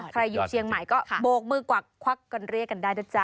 ใครอยู่เชียงใหม่ก็โบกมือกวักควักกันเรียกกันได้นะจ๊